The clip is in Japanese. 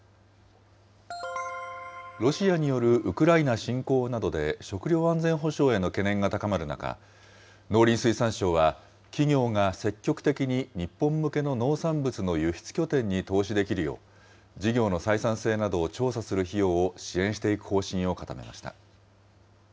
ロシアによるウクライナ侵攻などで食料安全保障への懸念が高まる中、農林水産省は、企業が積極的に日本向けの農産物の輸出拠点に投資できるよう、事業の採算性などを調査する費用を支援していく方針を固めました。